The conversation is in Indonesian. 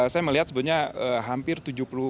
saya melihat sebetulnya hampir tujuh rumah tahan gempa ini